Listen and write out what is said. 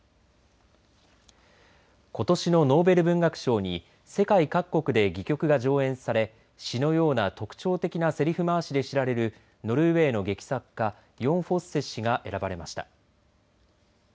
ことしのノーベル文学賞に世界各国で戯曲が上演され詩のような特徴的なせりふ回しで知られるノルウェーの劇作家ヨン・フォッセ氏が選ばれました。